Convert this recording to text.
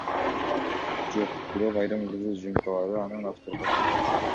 Жок, бирок айрым кыргыз ЖМКлары аны автор катары көрсөтүшкөн.